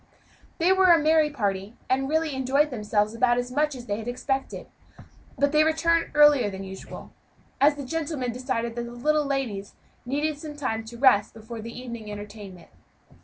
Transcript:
They were a merry party, and really enjoyed themselves about as much as they had expected; but they returned earlier than usual, as the gentlemen decided that the little ladies needed some time to rest before the evening entertainment.